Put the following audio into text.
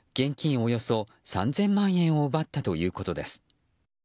およそ３０００万円を奪ったということです。